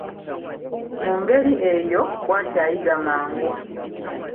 Mu ngeri eyo bw'atyo ayiga mangu.